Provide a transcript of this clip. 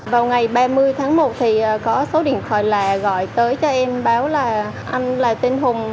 vào ngày ba mươi tháng một thì có số điện thoại là gọi tới cho em báo là anh là tên hùng